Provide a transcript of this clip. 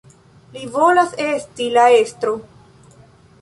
Li volas esti la estro.